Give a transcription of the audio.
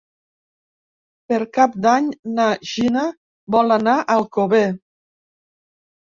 Per Cap d'Any na Gina vol anar a Alcover.